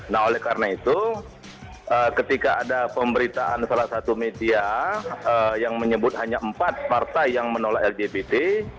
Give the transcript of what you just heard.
nah oleh karena itu ketika ada pemberitaan salah satu media yang menyebut hanya empat partai yang menolak lgbt